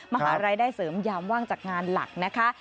มหารายได้เสริมยามว่างจากงานหลักนะคะ